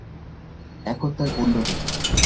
এখন তার মুল্য নেই।